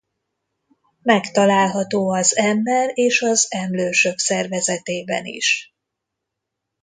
Megtalálható az ember és az emlősök szervezetében is.